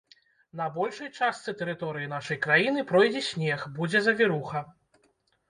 На большай частцы тэрыторыі нашай краіны пройдзе снег, будзе завіруха.